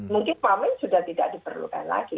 mungkin wamen sudah tidak diperlukan lagi